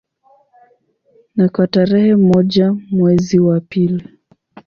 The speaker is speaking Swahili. Na kwa tarehe moja mwezi wa pili